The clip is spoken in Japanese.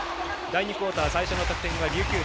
第２クオーター最初の得点は琉球。